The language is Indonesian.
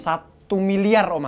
satu miliar oma